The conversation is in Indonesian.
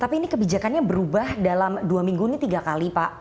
tapi ini kebijakannya berubah dalam dua minggu ini tiga kali pak